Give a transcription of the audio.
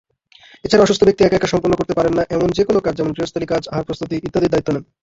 এছাড়া অসুস্থ ব্যক্তি একা একা সম্পন্ন করতে পারেন না, এমন যেকোনও কাজ যেমন গৃহস্থালি কাজ, আহার প্রস্তুতি, ইত্যাদির দায়িত্ব নেন।